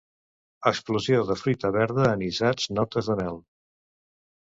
Explosió de fruita verda, anisats, notes de mel.